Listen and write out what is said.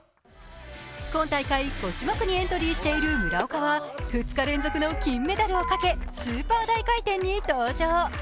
今大会５種目にエントリーしている村岡は２日連続の金メダルをかけスーパー大回転に登場。